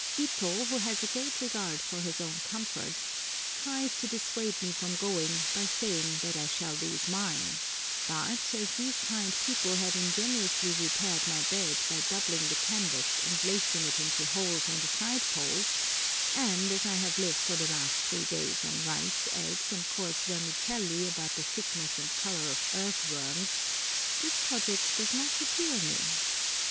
Ito, who has a great regard for his own comforts, tries to dissuade me from going by saying that I shall lose mine, but, as these kind people have ingeniously repaired my bed by doubling the canvas and lacing it into holes in the side poles, and as I have lived for the last three days on rice, eggs, and coarse vermicelli about the thickness and colour of earth worms, this prospect does not appal me!